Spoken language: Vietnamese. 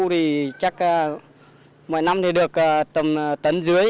thì chắc mỗi năm thì được tầm tấn dưới